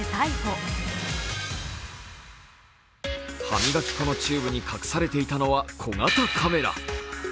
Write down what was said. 歯磨き粉のチューブに隠されていたのは小型カメラ。